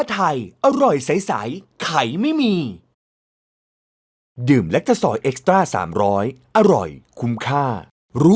หัวหน้าเดี๋ยวอยู่ทานข้าวด้วยกันนะคะ